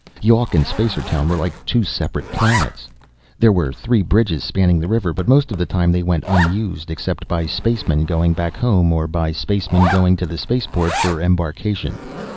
Yawk and Spacertown were like two separate planets. There were three bridges spanning the river, but most of the time they went unused, except by spacemen going back home or by spacemen going to the spaceport for embarkation.